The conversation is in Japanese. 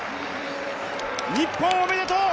日本、おめでとう！